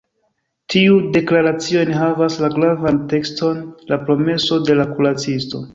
Tiu deklaracio enhavas la gravan tekston “La promeso de la kuracisto”.